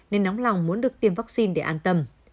nên nóng lòng muốn được tiêm vaccine để an tâm